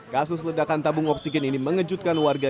kasus ledakan tabung oksigen ini mengejutkan warga